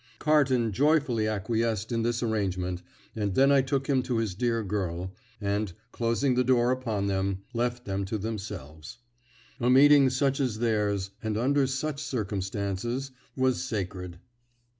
Carton joyfully acquiesced in this arrangement, and then I took him in to his dear girl, and, closing the door upon them, left them to themselves. A meeting such as theirs, and under such circumstances, was sacred.